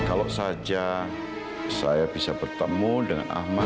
kalau saja saya bisa bertemu dengan ahmad